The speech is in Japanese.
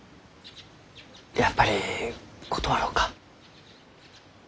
やっぱり断ろうか？